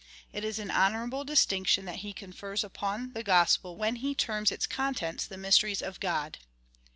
It is an honourable dis tinction that he confers upon the gospel when he terms its contents the mysteries of God.